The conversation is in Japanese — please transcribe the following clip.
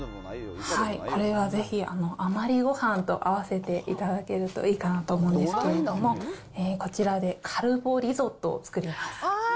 これはぜひ余りごはんと合わせていただけるといいかなと思うんですけれども、こちらでカルボリゾットを作ります。